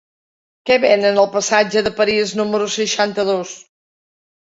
Què venen al passatge de París número seixanta-dos?